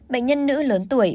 bệnh nhân nữ lớn tuổi